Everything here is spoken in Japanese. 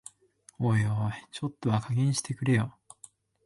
おいおい、ちょっとは加減してくれよ